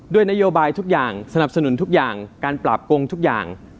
นโยบายทุกอย่างสนับสนุนทุกอย่างการปราบโกงทุกอย่าง